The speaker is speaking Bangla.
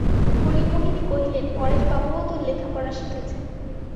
হরিমোহিনী কহিলেন, পরেশবাবুও তো লেখাপড়া শিখেছেন।